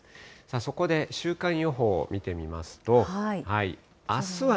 そこで週間予報を見てみますと。